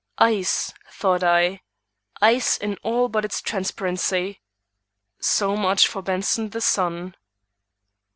"Ice," thought I; "ice in all but its transparency!" So much for Benson the son.